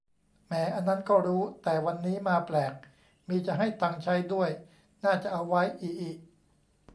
แหม อันนั้นก็รู้ แต่วันนี้มาแปลก มีจะให้ตังค์ใช้ด้วย น่าจะเอาไว้ อิอิ